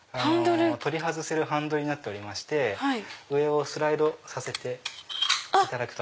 取り外せるハンドルになっておりまして上をスライドさせていただくと。